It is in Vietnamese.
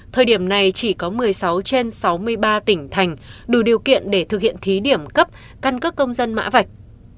thời điểm này chỉ có một mươi sáu trên sáu mươi ba tỉnh thành đủ điều kiện để thực hiện thí điểm cấp căn cấp công dân mã vạch